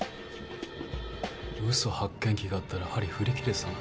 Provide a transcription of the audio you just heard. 嘘発見器があったら針振り切れてたな。